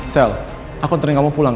sel aku ntarin kamu pulang ya